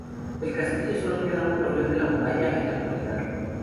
Del castillo solo queda un torreón de la muralla en la actualidad.